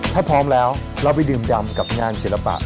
ถ้าพร้อมแล้วเราไปดื่มดำกับงานศิลปะ